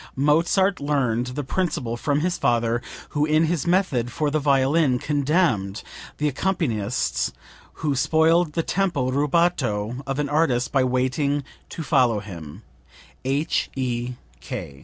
Mozart learned the principle from his father who in his method for the violin condemned the accompanists who spoiled the tempo rubato of an artist by waiting to follow him. H.E.